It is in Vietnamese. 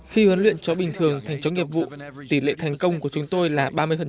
khi huấn luyện chó bình thường thành chó nghiệp vụ tỷ lệ thành công của chúng tôi là ba mươi